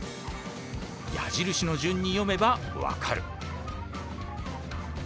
矢印の順に読めば分かる。